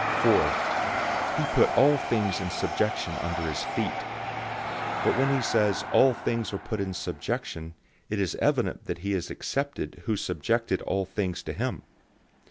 015:027 For, "He put all things in subjection under his feet."{Psalm 8:6} But when he says, "All things are put in subjection," it is evident that he is excepted who subjected all things to him.